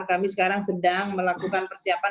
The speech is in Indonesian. kami sekarang sedang melakukan persiapan